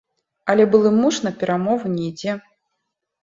Але былы муж на перамовы не ідзе.